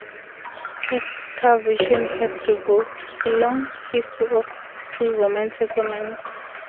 Excavation has revealed a long history of pre-Roman settlement.